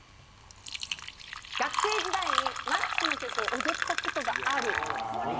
学生時代にＭＡＸの曲を踊ったことがある。